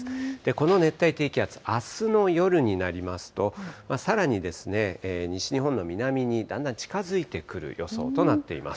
この熱帯低気圧、あすの夜になりますと、さらに西日本の南にだんだん近づいてくる予想となっています。